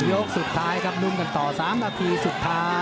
ยกสุดท้ายครับรุ่นกันต่อ๓นาทีสุดท้าย